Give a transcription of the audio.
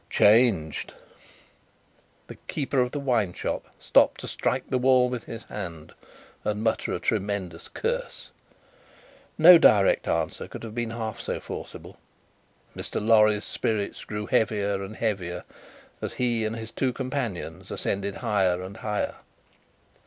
"Changed!" The keeper of the wine shop stopped to strike the wall with his hand, and mutter a tremendous curse. No direct answer could have been half so forcible. Mr. Lorry's spirits grew heavier and heavier, as he and his two companions ascended higher and higher.